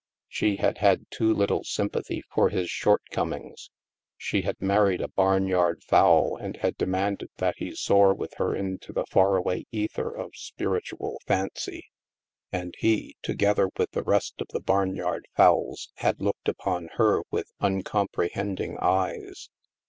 She had had too little sympathy for his shortcomings. She had married a barnyard fowl and had demanded that he soar with her into the far away ether of spiritual fancy. And he, to gether with the rest of the barnyard fowls, had looked upon her with uncomprehending eyes.